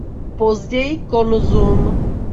Později konzum.